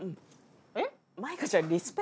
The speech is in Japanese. えっ？